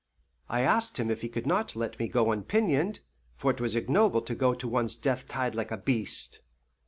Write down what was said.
I asked him if he could not let me go unpinioned, for it was ignoble to go to ones death tied like a beast.